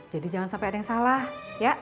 jadi jangan sampai ada yang salah ya